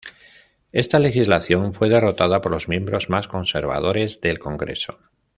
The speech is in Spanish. Esta legislación fue derrotada por los miembros más conservadores del Congreso.